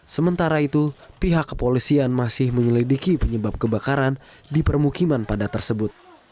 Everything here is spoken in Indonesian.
sementara itu pihak kepolisian masih menyelidiki penyebab kebakaran di permukiman padat tersebut